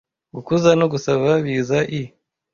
Gukuza no gusaba biza I,